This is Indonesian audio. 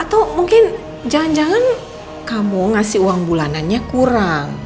atau mungkin jangan jangan kamu ngasih uang bulanannya kurang